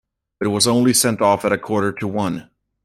But it was only sent off at a quarter to one.